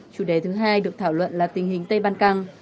chủ đề thứ hai được thảo luận là tình hình tây ban căng